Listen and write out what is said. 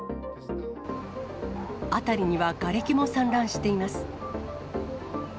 辺りにはがれきも散乱しています。